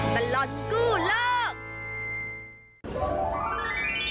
มันรอดกู้โลก